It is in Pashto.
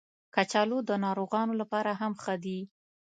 کچالو د ناروغانو لپاره هم ښه دي